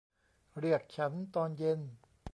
เรียกฉันตอนเย็น